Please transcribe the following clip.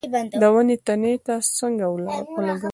د ونې تنې ته څنګ ولګاوه.